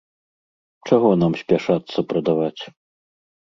Чаго нам спяшацца прадаваць?